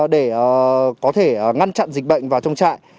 để có thể ngăn chặn dịch bệnh vào trong trại